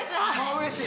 うれしい。